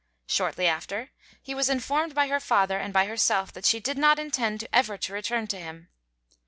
Shortly after, he was informed by her father and by herself that she did not intend ever to return to him.